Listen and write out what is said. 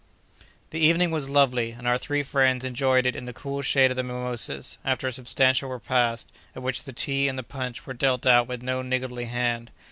The evening was lovely, and our three friends enjoyed it in the cool shade of the mimosas, after a substantial repast, at which the tea and the punch were dealt out with no niggardly hand.